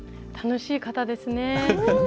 楽しい方ですね。